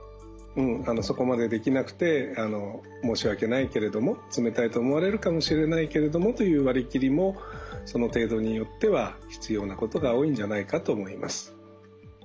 そこまでできなくて申し訳ないけれども冷たいと思われるかもしれないけれどもという割り切りも程度によっては必要なことが多いんじゃないかと思います。